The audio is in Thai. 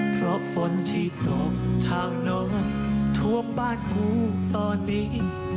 เพราะฝนที่ตกทางนอนทั่วบ้านครูตอนนี้